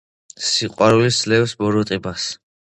სიყვარული სძლევს ბოროტებას.